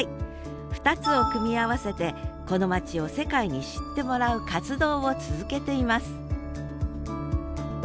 ２つを組み合わせてこの町を世界に知ってもらう活動を続けています